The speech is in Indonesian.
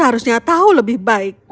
harusnya tahu lebih baik